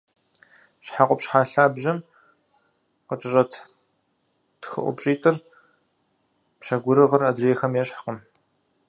Щхьэ къупщхьэ лъабжьэм къыкӏэщӏэт тхыӏупщӏитӏыр – пщэгурыгъыр – адрейхэм ещхькъым.